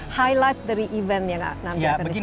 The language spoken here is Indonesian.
highlight dari event yang nampilkan di seluruh negara